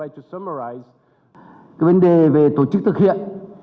cái vấn đề về tổ chức thực hiện